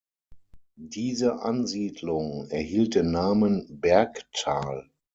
Diese Ansiedlung erhielt den Namen Bergtal.